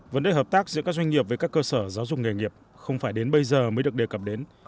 vấn đề hợp tác giữa các doanh nghiệp với các cơ sở giáo dục nghề nghiệp không phải đến bây giờ mới được đề cập đến